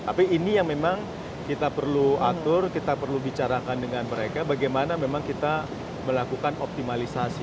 jadi ini yang memang kita perlu atur kita perlu bicarakan dengan mereka bagaimana memang kita melakukan optimalisasi